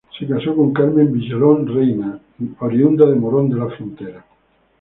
Se casó con Carmen Villalón Reina, oriunda de Morón de la Frontera.